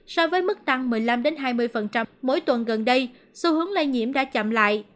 so với mức tăng một mươi năm hai mươi mỗi tuần gần đây xu hướng lây nhiễm đã chậm lại